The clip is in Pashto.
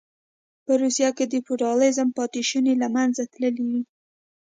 په روسیه کې د فیوډالېزم پاتې شوني له منځه تللې وې